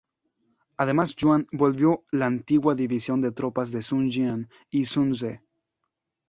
Además Yuan volvió la antigua división de tropas de Sun Jian a Sun Ce.